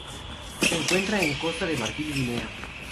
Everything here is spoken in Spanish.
Se encuentra en Costa de Marfil y Guinea.